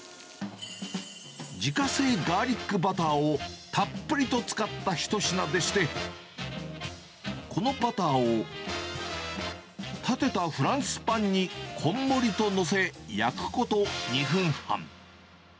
自家製ガーリックバターをたっぷりと使った一品でして、このバターを、立てたフランスパンにこんもりと載せ、焼くこと２分半。